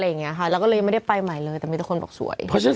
อย่างเงี้ยค่ะแล้วก็เลยไม่ได้ไปใหม่เลยแต่มีแต่คนบอกสวยเพราะฉะนั้น